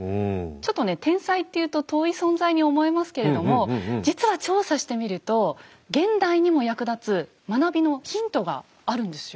ちょっとね天才っていうと遠い存在に思えますけれども実は調査してみると現代にも役立つ学びのヒントがあるんですよ。